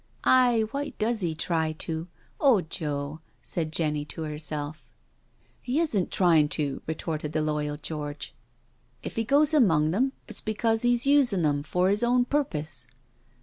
" Aye, why does he try to? — oh Joel " said Jenny to herself. THE DINNER PARTY 219 " He isn't tryin' to," retorted the loyal George. " If he goes among them it's because 'e's usin' them for 'is own purpose."